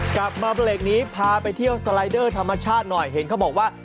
กลับมาเบรกนี้พาไปเที่ยวสไลเดอร์ธรรมชาติหน่อยเห็นเขาบอกว่า